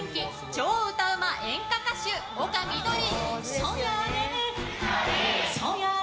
超歌うま演歌歌手、丘みどり！